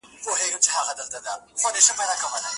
د شېخ د فتواگانو چي په امن لرې خدايه